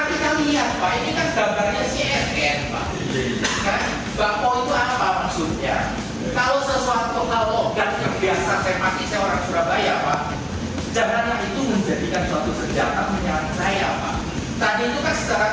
iya sudah pertanyaan penjajah